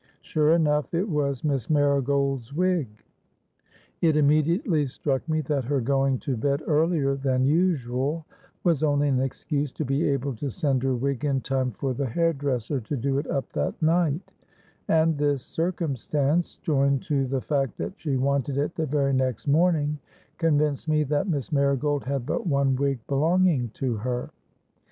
Sure enough, it was Miss Marigold's wig. It immediately struck me that her going to bed earlier than usual was only an excuse to be able to send her wig in time for the hair dresser to do it up that night; and this circumstance, joined to the fact that she wanted it the very next morning, convinced me that Miss Marigold had but one wig belonging to her.